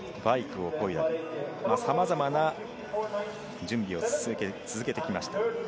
バイクをこいで、さまざまな準備を進めてきました。